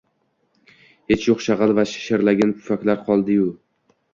Hech yoʻq shagʻal va shishirilgan pufaklar qoldi-yu.